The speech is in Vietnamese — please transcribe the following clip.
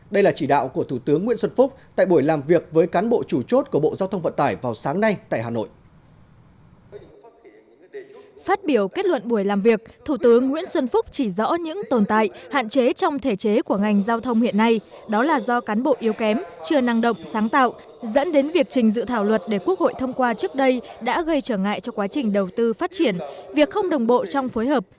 đây là chỉ đạo của thủ tướng nguyễn xuân phúc tại buổi làm việc với cán bộ chủ chốt của bộ giao thông vận tải vào sáng nay tại hà nội